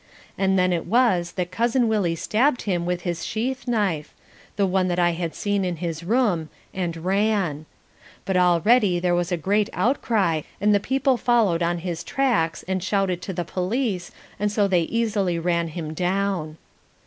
And then it was that Cousin Willie stabbed him with his sheath knife, the one that I had seen in his room, and ran. But already there was a great outcry and the people followed on his tracks and shouted to the police, and so they easily ran him down.